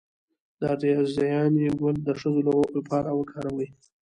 د رازیانې ګل د ښځو لپاره وکاروئ